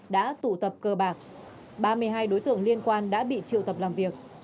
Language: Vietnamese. đã tụ tập cờ bạc ba mươi hai đối tượng liên quan đã bị triệu tập làm việc